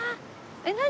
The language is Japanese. えっ何？